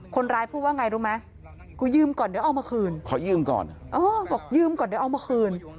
คนร้ายพูดว่าไงรู้ไหมกูยืมก่อนเดี๋ยวเอามาคืนขอยืมก่อนบอกยืมก่อนเดี๋ยวเอามาคืน